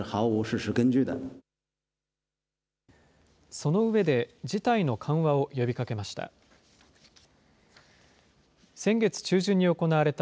その上で、事態の緩和を呼びかけました。